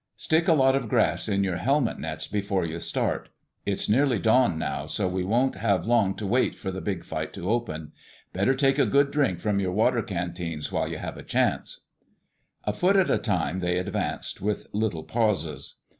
"Stick a lot of grass in your helmet nets before you start. It's nearly dawn now, so we won't have long to wait for the big fight to open. Better take a good drink from your water canteens while you have a chance." A foot at a time they advanced, with little pauses.